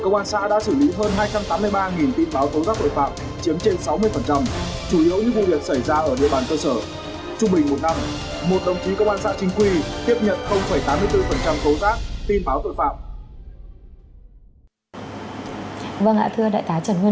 vâng ạ thưa đại tá trần nguyên quân